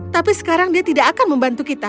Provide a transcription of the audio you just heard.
tapi sekarang dia tidak akan membantu kita